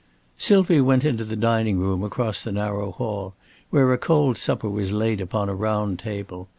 Sylvia went into the dining room across the narrow hall, where a cold supper was laid upon a round table.